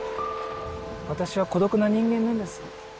私は孤独な人間なんです。